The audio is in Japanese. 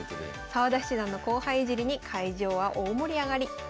澤田七段の後輩いじりに会場は大盛り上がり。